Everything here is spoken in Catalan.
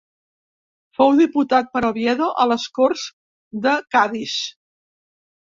Fou diputat per Oviedo a les Corts de Cadis.